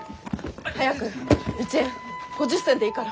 早く１円５０銭でいいから。